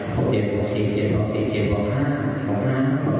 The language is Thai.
หกเกียรติหกสี่เกียรติหกสี่เกียรติหกห้าหกห้า